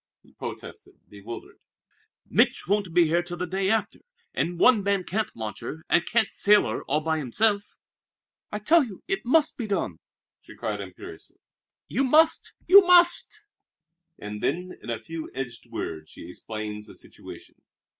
he protested, bewildered. "Mich' won't be here till the day after and one man can't launch her, and can't sail her all by himself." "I tell you it must be done," she cried imperiously. "You must, you must!" And then, in a few edged words, she explained the situation.